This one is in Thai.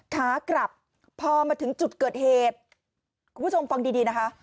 ขากลับพอมาถึงจุดเกิดเหตุคุณผู้ชมฟังดีดีนะคะ